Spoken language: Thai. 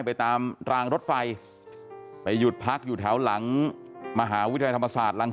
ไปตามรางรถไฟไปหยุดพักอยู่แถวหลังมหาวิทยาลัยธรรมศาสตร์รัง